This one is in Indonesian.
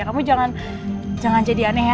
kamu jangan jadi aneh ya